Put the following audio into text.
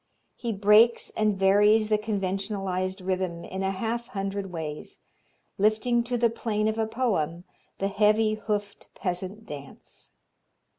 He breaks and varies the conventionalized rhythm in a half hundred ways, lifting to the plane of a poem the heavy hoofed peasant dance.